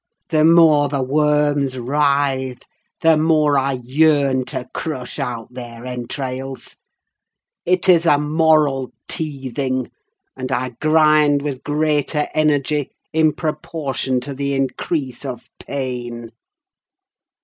The more the worms writhe, the more I yearn to crush out their entrails! It is a moral teething; and I grind with greater energy in proportion to the increase of pain."